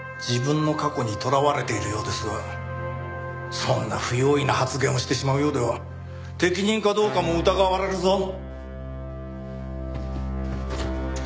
自分の過去にとらわれているようですがそんな不用意な発言をしてしまうようでは適任かどうかも疑われるぞ。